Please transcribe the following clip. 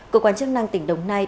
cộng quan chức năng tỉnh đồng nai